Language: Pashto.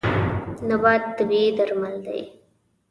نبات طبیعي درمل دی.